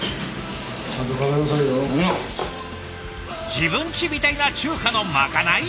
自分ちみたいな中華のまかない？